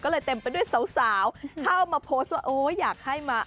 ก็เลยเต็มไปด้วยสาวเข้ามาโพสต์ว่าโอ้อยากให้มา